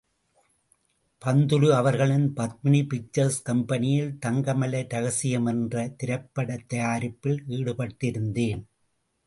பந்தலு அவர்களின் பத்மினி பிக்சர்ஸ் கம்பெனியில் தங்கமலை ரகசியம் என்ற திரைப்படத் தயாரிப்பில் ஈடுபட்டிருந்தேன்.